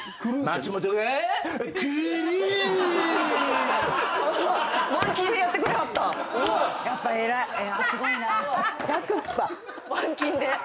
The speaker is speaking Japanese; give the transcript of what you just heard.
マンキンで。